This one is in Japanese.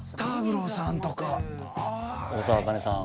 大沢あかねさん。